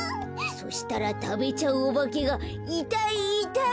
そしたらたべちゃうおばけが「いたいいたい！」